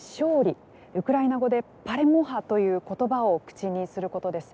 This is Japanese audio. ウクライナ語で「パレモハ」という言葉を口にすることです。